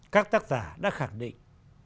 các tác giả đã khẳng định